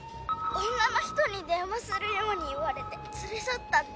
女の人に電話するように言われて連れ去ったって。